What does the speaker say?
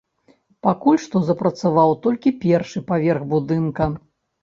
Пакуль што запрацаваў толькі першы паверх будынка.